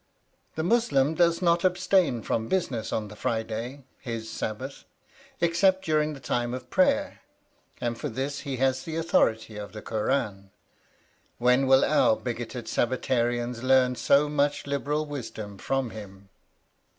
The Muslim does not abstain from business on the Friday, his Sabbath, except during the time of prayer, and for this he has the authority of the Kur ân: when will our bigoted Sabbatarians learn so much liberal wisdom from him?